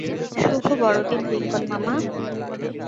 শুভ বড়দিন, লিংকন মামা।